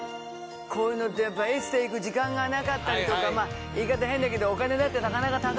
こういうのってやっぱエステ行く時間がなかったりとか言い方変だけどお金だってなかなか高いですから。